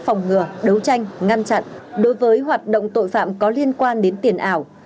phòng ngừa đấu tranh ngăn chặn đối với hoạt động tội phạm có liên quan đến tiền ảo